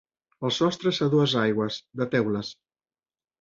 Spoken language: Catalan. El sostre és a dues aigües, de teules.